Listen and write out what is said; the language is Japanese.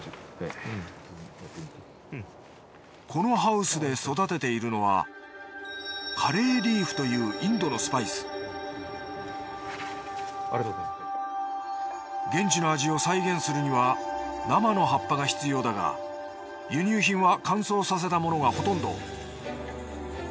このハウスで育てているのはカレーリーフというインドのスパイス現地の味を再現するには生の葉っぱが必要だが輸入品は乾燥させたものがほとんど。